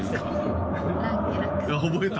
覚えた！